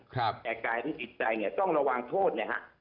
แต่กายที่ติดใจเนี่ยต้องระวังโทษนะครับ